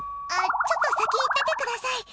ちょっと先行っててください！